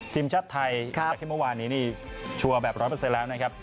ทีมชาติไทยจากแค่เมื่อวานนี้นี่ชัวร์แบบร้อยเปิดใส่แล้วนะครับ